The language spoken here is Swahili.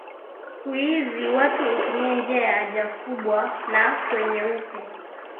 Siku hizi watu hutumia njia ya haja kubwa na kwenye uke